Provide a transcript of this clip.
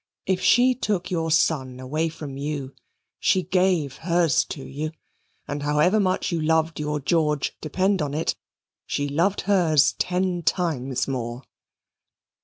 If she took your son away from you, she gave hers to you; and however much you loved your George, depend on it, she loved hers ten times more."